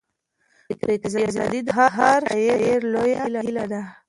فکري ازادي د هر شاعر لویه هیله ده.